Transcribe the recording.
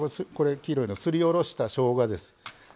黄色いのすりおろしたしょうがです。